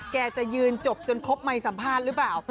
จะยืนจบจนครบไมค์สัมภาษณ์หรือเปล่า